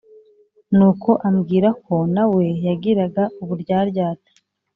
Nuko ambwira ko na we yagiraga uburyaryate